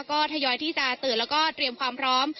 ก็ทยอยที่จะตื่นแล้วก็เตรียมความพร้อม